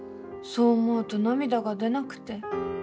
そう思うと涙が出なくて。